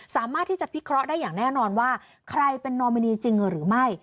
สามารถที่จะพิเคราะห์ได้อย่างแน่นอนว่าใครเป็นนอมินีจริงหรือไม่